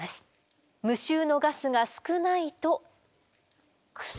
無臭のガスが少ないと。